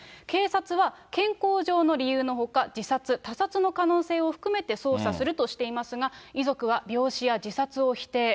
警察は健康上の理由のほか、自殺、他殺の可能性を含めて捜査するとしていますが、遺族は病死や自殺を否定。